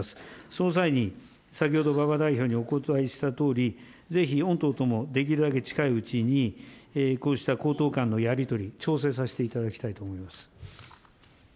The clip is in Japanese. その際に、先ほど、馬場代表にお答えしたとおり、ぜひ御党ともできるだけ近いうちに、こうした公党間のやり取り、調整させていただきたいと思います。